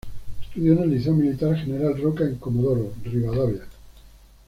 Estudió en el Liceo Militar General Roca en Comodoro Rivadavia.